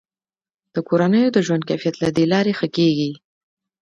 د کورنیو د ژوند کیفیت له دې لارې ښه کیږي.